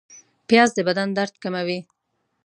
پیاز د بدن درد کموي